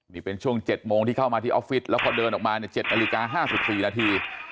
นี่เป็นช่วง๗โมงที่เข้ามาที่ออฟฟิศแล้วพอเดินออกมาใน๗นาฬิกา๕๔นาที